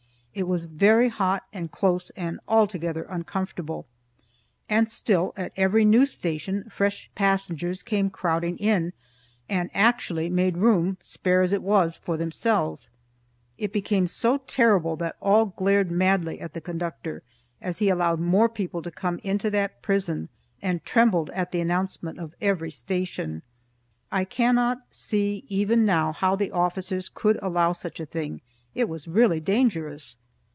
It was very hot and close and altogether uncomfortable, and still at every new station fresh passengers came crowding in, and actually made room, spare as it was, for themselves. It became so terrible that all glared madly at the conductor as he allowed more people to come into that prison, and trembled at the announcement of every station. I cannot see even now how the officers could allow such a thing; it was really dangerous.